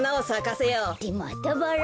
ってまたバラ？